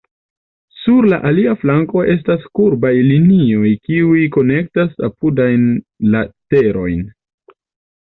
Sur la alia flanko estas kurbaj linioj kiuj konektas apudajn laterojn.